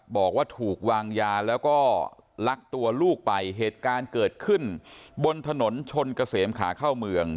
บอกว่าถูกวางยาแล้วก็ลักตัวลูกไปเหตุการณ์เกิดขึ้นบนถนนชนเกษมขาเข้าเมือง